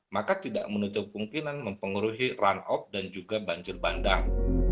maka tidak menutup kemungkinan mempengaruhi run off dan juga banjir bandang